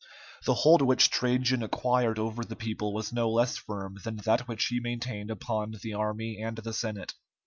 The hold which Trajan acquired over the people was no less firm than that which he maintained upon the army and the Senate.